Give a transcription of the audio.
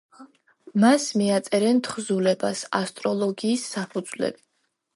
მას მიაწერენ თხზულებას „ასტროლოგიის საფუძვლები“.